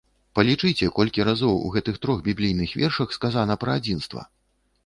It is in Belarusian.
Палічыце, колькі разоў у гэтых трох біблійных вершах сказана пра адзінства!